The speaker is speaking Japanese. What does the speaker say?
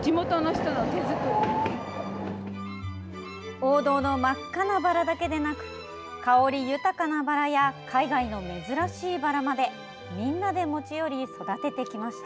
王道の真っ赤なバラだけでなく香り豊かなバラや海外の珍しいバラまでみんなで持ち寄り育ててきました。